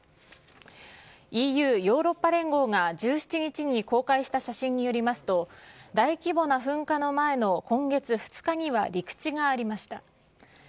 ＥＵ・ヨーロッパ連合が１７日に公開した写真によりますと、大規模な噴火の前の今月２日には陸地がありました。